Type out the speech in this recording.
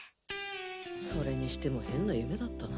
それにしても変な夢だったな